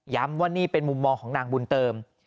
ว่านี่เป็นมุมมองของนางบุญเติม